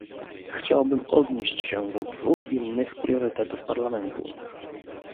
Chciałbym odnieść się do dwóch innych priorytetów Parlamentu